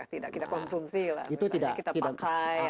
tidak konsumsi lah